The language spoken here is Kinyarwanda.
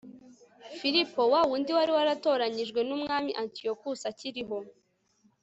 filipo, wa wundi wari waratoranyijwe n'umwami antiyokusi akiriho